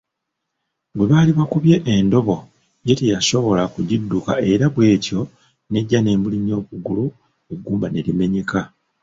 Gwe baali bakubye endobo ye teyasobola kugidduka era bwetyo n’ejja nemulinnya okugulu eggumba ne limenyeka.